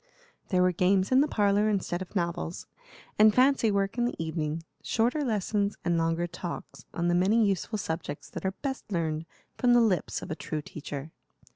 There were games in the parlor instead of novels, and fancy work in the evening; shorter lessons, and longer talks on the many useful subjects that are best learned from the lips of a true teacher.